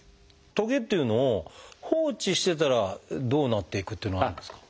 トゲっていうのを放置してたらどうなっていくっていうのはあるんですか？